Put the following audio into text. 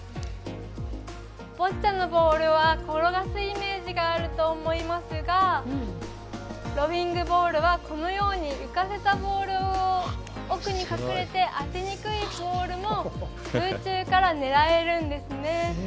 ボッチャのボールは転がすイメージがあると思いますがロビングボールはこのように浮かせたボールを、奥に隠れて当てにくいボールも空中から狙えるんですね。